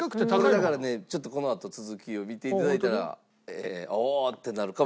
これだからねこのあと続きを見ていただいたらおおー！ってなるかもしれません。